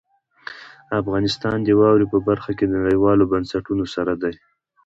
افغانستان د واورې په برخه کې نړیوالو بنسټونو سره دی.